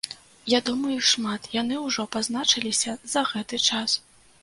Я думаю, іх шмат, яны ўжо пазначыліся за гэты час.